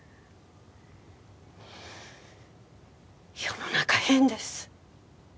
世の中変です。